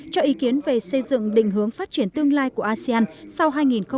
cho ý kiến về xây dựng định hướng phát triển tương lai của asean sau hai nghìn hai mươi năm